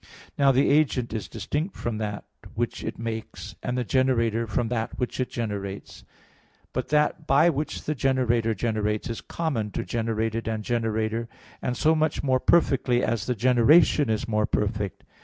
Now the agent is distinct from that which it makes, and the generator from that which it generates: but that by which the generator generates is common to generated and generator, and so much more perfectly, as the generation is more perfect.